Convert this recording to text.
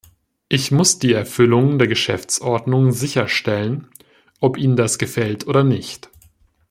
Ich muss die Erfüllung der Geschäftsordnung sicherstellen, ob Ihnen das gefällt oder nicht.